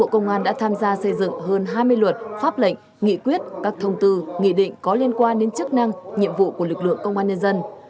bộ công an đã tham gia xây dựng hơn hai mươi luật pháp lệnh nghị quyết các thông tư nghị định có liên quan đến chức năng nhiệm vụ của lực lượng công an nhân dân